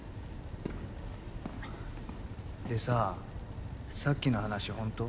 でささっきの話ほんと？